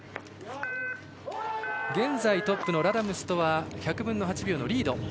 現在トップのラダムスとは１００分の８秒のリード。